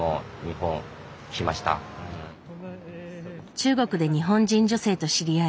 中国で日本人女性と知り合い